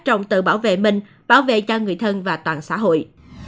trong tự bảo vệ mình bảo vệ cho người thân và toàn xã hội